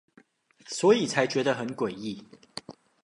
所以才覺得很詭異